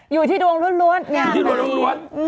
อยู่ที่ดวงรถคล้นที่ดวงรถคล้น